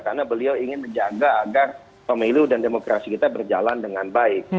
karena beliau ingin menjaga agar pemilu dan demokrasi kita berjalan dengan baik